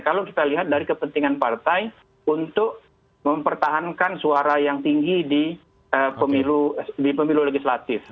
kalau kita lihat dari kepentingan partai untuk mempertahankan suara yang tinggi di pemilu legislatif